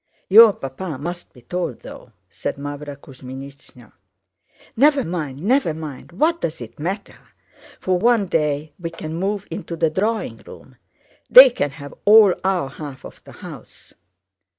"Your Papa must be told, though," said Mávra Kuzmínichna. "Never mind, never mind, what does it matter? For one day we can move into the drawing room. They can have all our half of the house."